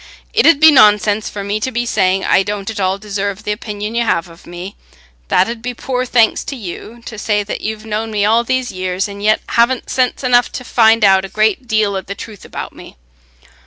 It 'ud be nonsense for me to be saying, I don't at all deserve th' opinion you have of me; that 'ud be poor thanks to you, to say that you've known me all these years and yet haven't sense enough to find out a great deal o' the truth about me.